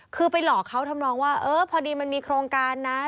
คือไปหลอกเขาทำนองว่าเออพอดีมันมีโครงการนะ